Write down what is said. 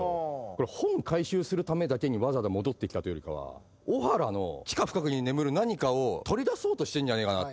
本回収するためだけにわざわざ戻ってきたというよりかはオハラの地下深くに眠る何かを取り出そうとしてんじゃねえかな。